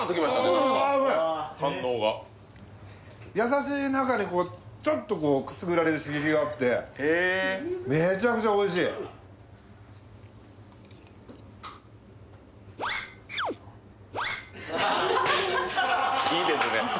何か反応が優しい中にちょっとこうくすぐられる刺激があってめちゃくちゃおいしいいいですね